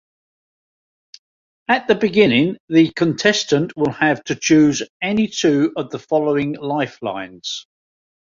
At the beginning the contestant will have to choose any two the following lifelines.